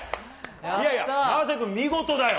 いやいや、永瀬君、見事だよ。